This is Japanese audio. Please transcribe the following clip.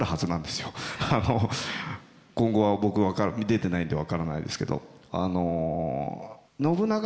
あの今後は僕出てないんで分からないですけど。